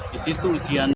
di situ ujian